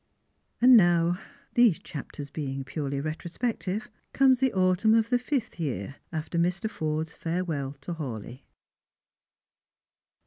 Now — these chapters being purely retrospective— comes the autumn of the fifth year after Mr. Forde'a farewell to Hawleigh.